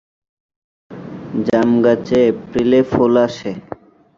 জাম গাছে মার্চ এপ্রিলে ফুল আসে।